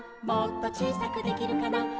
「もっとちいさくできるかな」